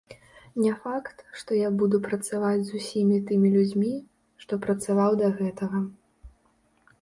Не факт, што я буду працаваць з усімі тымі людзьмі, што працаваў да гэтага.